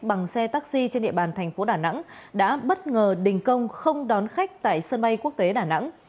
bằng xe taxi trên địa bàn thành phố đà nẵng đã bất ngờ đình công không đón khách tại sân bay quốc tế đà nẵng